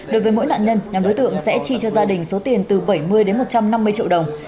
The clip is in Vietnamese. đối với mỗi nạn nhân nhóm đối tượng sẽ chi cho gia đình số tiền từ bảy mươi đến một trăm năm mươi triệu đồng